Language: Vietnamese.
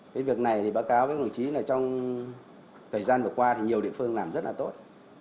cái việc này thì báo cáo với quý vị trí là trong thời gian vừa qua thì nhiều địa phương làm rất là tốt